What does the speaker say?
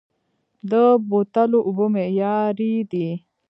د بوتلو اوبه معیاري دي؟